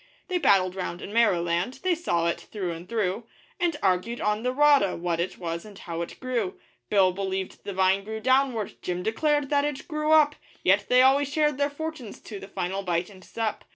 They battled round in Maoriland they saw it through and through And argued on the rata, what it was and how it grew; Bill believed the vine grew downward, Jim declared that it grew up Yet they always shared their fortunes to the final bite and sup.